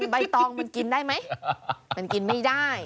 ใบตองมันกินได้ไหมมันกินไม่ได้